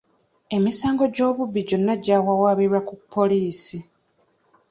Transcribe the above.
Emisango gy'obubbi gyonna gyawawaabirwa ku poliisi.